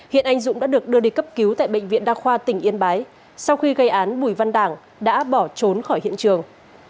hiện anh dũng đã được đưa đi cấp cứu tại bệnh viện đa khoa tỉnh yên bái sau khi gây án bùi văn đảng đã bỏ trốn khỏi hiện trường